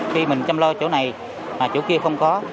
khi mình chăm lo chỗ này mà chỗ kia không có